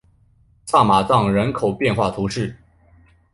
萨马藏人口变化图示